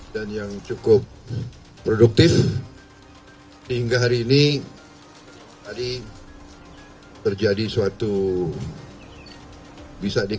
diketahui sebagai presiden terpilih